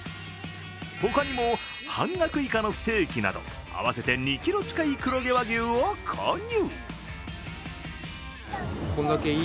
他にも半額以下のステーキなど合わせて２ｋｇ近い黒毛和牛を購入。